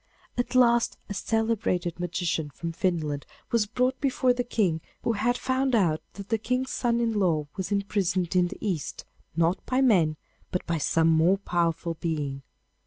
At last a celebrated magician from Finland was brought before the King, who had found out that the King's son in law was imprisoned in the East, not by men, but by some more powerful being.